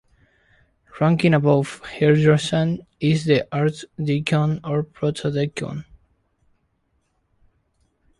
Ranking above Hierodeacon is an Archdeacon or Protodeacon.